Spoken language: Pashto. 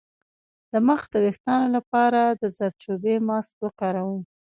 د مخ د ويښتانو لپاره د زردچوبې ماسک وکاروئ